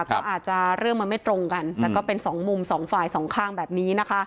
ก็อาจจะเรื่องมันไม่ตรงกันแต่ก็เป็นสองมุมสองฝ่ายสองข้างแบบนี้นะคะ